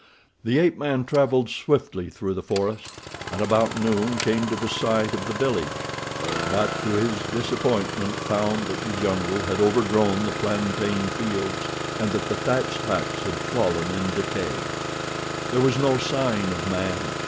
The ape man traveled swiftly through the forest, and about noon came to the site of the village, but to his disappointment found that the jungle had overgrown the plantain fields and that the thatched huts had fallen in decay. There was no sign of man.